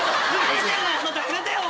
やめてよ！